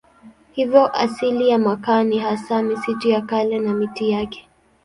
Hivyo asili ya makaa ni hasa misitu ya kale na miti yake.